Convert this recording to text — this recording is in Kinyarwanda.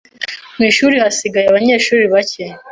Mu ishuri hasigaye abanyeshuri bake.